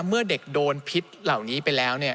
เมื่อเด็กโดนพิษเหล่านี้ไปแล้ว